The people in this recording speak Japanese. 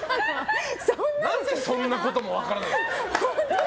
何でそんなこともわからないの？